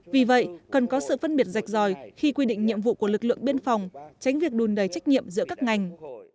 vì vậy cần có sự phân biệt rạch ròi khi quy định nhiệm vụ của lực lượng biên phòng tránh việc đùn đầy trách nhiệm giữa các ngành